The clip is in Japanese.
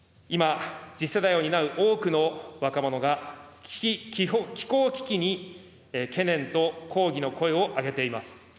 今、次世代を担う多くの若者が、気候危機に懸念と抗議の声を上げています。